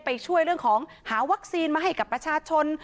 ไปช่วยเรื่องของหาวัคซีนมาให้กับประชาชน